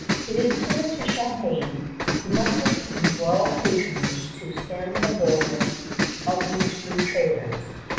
It is clear to Champlain he must obtain royal patronage to stem the boldness of these free traders.